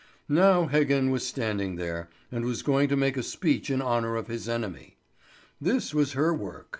Now Heggen was standing there, and was going to make a speech in honour of his enemy. This was her work.